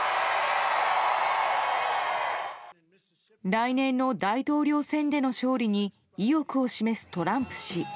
来年の大統領選での勝利に意欲を示すトランプ氏。